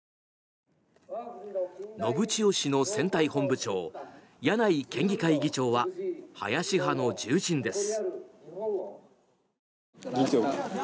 信千世氏の選対本部長柳居県議会議長は林派の重鎮です。